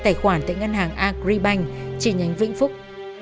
tài khoản tại ngân hàng agribank chi nhánh vĩnh phúc